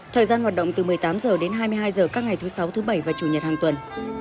thời gian hoạt động từ một mươi tám h đến hai mươi hai h các ngày thứ sáu thứ bảy và chủ nhật hàng tuần